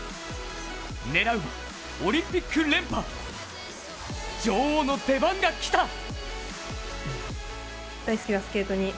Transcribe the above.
狙うはオリンピック連覇、女王の出番が来た。